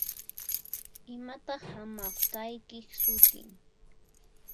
Iman hamawt'aykiq sutin?